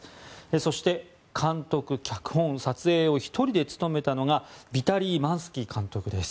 そして監督、脚本、撮影を１人で務めたのがヴィタリー・マンスキー監督です。